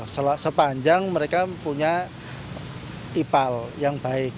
sepanjang mereka punya ipal yang baik